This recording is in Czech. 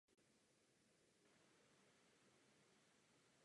Jeho cílem je mapování a publikace skutečných záznamů paranormální aktivity.